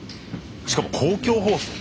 しかも公共放送。